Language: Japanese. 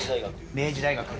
明治大学。